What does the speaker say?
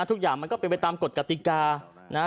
ทุกอย่างมันก็เป็นไปตามกฎกติกานะ